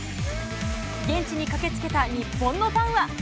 現地に駆けつけた日本のファンは。